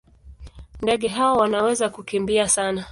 Ndege hawa wanaweza kukimbia sana.